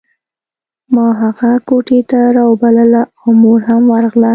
ما هغه کوټې ته راوبلله او مور هم ورغله